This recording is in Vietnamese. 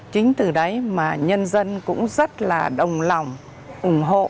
chính từ đấy mà nhân dân cũng rất là đồng lòng ủng hộ